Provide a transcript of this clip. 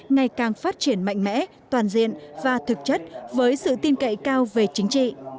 ngày càng phát triển mạnh mẽ toàn diện và thực chất với sự tin cậy cao về chính trị